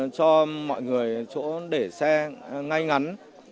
cho mọi người chỗ để xe ngay ngắn